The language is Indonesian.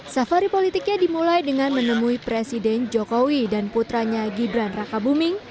safari politiknya dimulai dengan menemui presiden jokowi dan putranya gibran raka buming